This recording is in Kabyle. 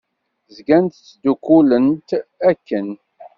Zgant ttdukkulent akken.